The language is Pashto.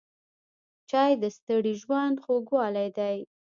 چای د ستړي ژوند خوږوالی دی.